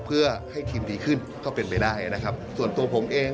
เพื่อให้ทีมดีขึ้นก็เป็นไปได้นะครับส่วนตัวผมเอง